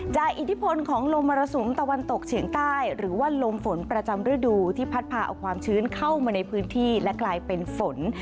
อิทธิพลของลมมรสุมตะวันตกเฉียงใต้หรือว่าลมฝนประจำฤดูที่พัดพาเอาความชื้นเข้ามาในพื้นที่และกลายเป็นฝน